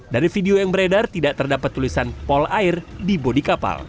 dari video yang beredar tidak terdapat tulisan pol air di bodi kapal